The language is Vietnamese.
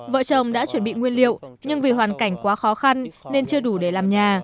vợ chồng đã chuẩn bị nguyên liệu nhưng vì hoàn cảnh quá khó khăn nên chưa đủ để làm nhà